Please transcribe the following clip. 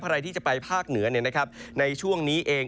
ภรรยาที่จะไปภาคเหนือเนี่ยนะครับในช่วงนี้เอง